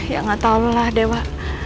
ya gak tahulah dewa